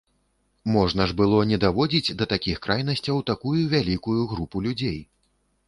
Можна ж было не даводзіць да такіх крайнасцяў такую вялікую групу людзей.